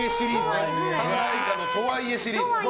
神田愛花のとはいえシリーズ。